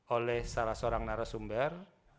oleh salah seorang narasumber